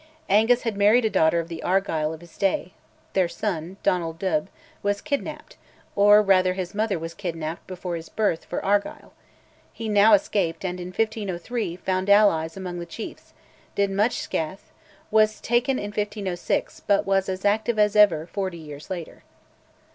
Angus had married a daughter of the Argyll of his day; their son, Donald Dubh, was kidnapped (or, rather, his mother was kidnapped before his birth) for Argyll; he now escaped, and in 1503, found allies among the chiefs, did much scathe, was taken in 1506, but was as active as ever forty years later.